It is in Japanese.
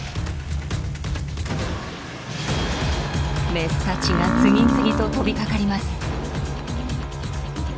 メスたちが次々と飛びかかります。